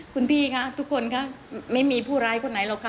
คุณพี่คะทุกคนค่ะไม่มีผู้ร้ายคนไหนหรอกค่ะ